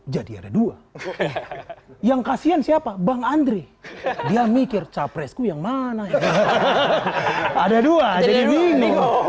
jadi ada dua oke yang kasihan siapa bang andre dia mikir capresku yang mana ya ada dua jadi bingung